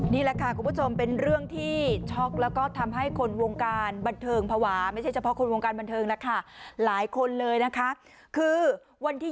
นี่แหละค่ะคุณผู้ชมเป็นเรื่องที่ช็อกแล้วก็ทำให้คนวงการบันเทิงภาวะไม่ใช่เฉพาะคนวงการบันเทิงแล้วค่ะหลายคนเลยนะคะคือวันที่